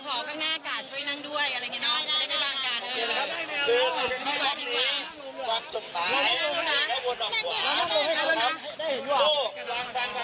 อ๋อขอข้างหน้าก่อนช่วยนั่งด้วยอะไรเงี้ยน้ำได้รับใช่ครับ